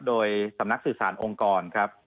โดยสำนักสื่อสารองค์กรครับ